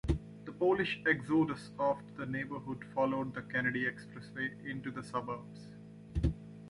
The Polish exodus out of the neighborhood followed the Kennedy Expressway into the suburbs.